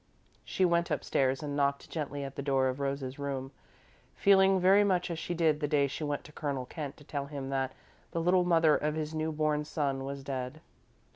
She went up stairs and knocked gently at the door of Rose's room, feeling very much as she did the day she went to Colonel Kent to tell him that the little mother of his new born son was dead.